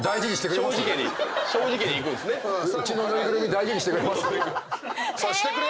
うちのぬいぐるみ大事にしてくれます？